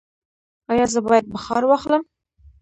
ایا زه باید بخار واخلم؟